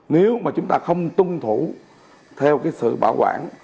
nếu mà chúng ta không tung thủ theo cái sự bảo quản